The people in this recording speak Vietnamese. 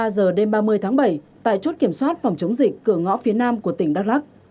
hai mươi ba giờ đêm ba mươi tháng bảy tại chốt kiểm soát phòng chống dịch cửa ngõ phía nam của tỉnh đắk lắk